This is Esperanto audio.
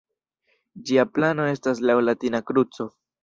Ĝia plano estas laŭ latina kruco.